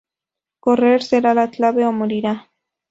Correr será la clave, o morirá.